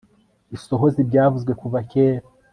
isohoze ibyavuzwe kuva kera